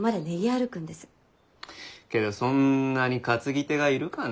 けどそんなに担ぎ手がいるかね？